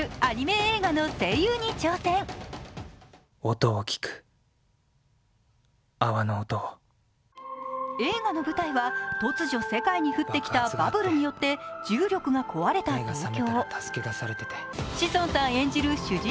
映画の舞台は突如、世界に降ってきた泡によって重力が壊れた東京。